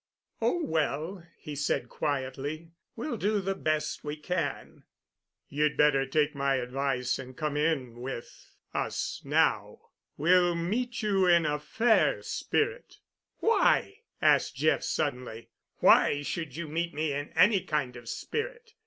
"Oh, well," he said quietly, "we'll do the best we can." "You'd better take my advice and come in with, us now. We'll meet you in a fair spirit——" "Why?" asked Jeff suddenly. "Why should you meet me in any kind of spirit.